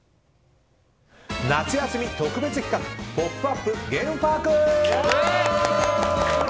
夏休み特別企画「ポップＵＰ！」ゲームパーク！